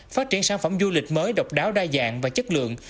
phát triển sản phẩm du lịch mới độc đáo đa dạng và chất lượng